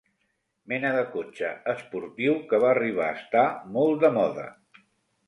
Mena de cotxe esportiu que va arribar a estar molt de moda.